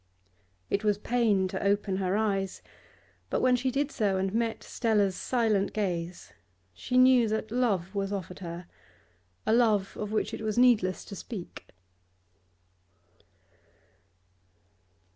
It was pain to open her eyes, but when she did so, and met Stella's silent gaze, she knew that love was offered her, a love of which it was needless to speak.